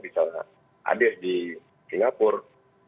bisa hadir di singapura